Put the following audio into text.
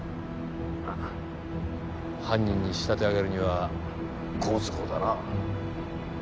まあ犯人に仕立て上げるには好都合だな。